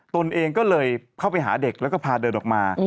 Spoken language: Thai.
ตนเองก็เลยเข้าไปหาเด็กแล้วก็พาเดินออกมา